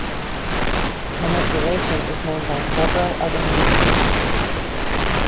Manipulation is known by several other names.